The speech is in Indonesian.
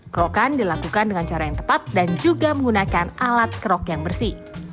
kerokan dilakukan dengan cara yang tepat dan juga menggunakan alat kerok yang bersih